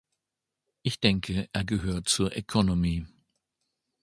Ich denke, er gehört zur economy.